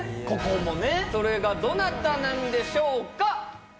ここもねそれがどなたなんでしょうか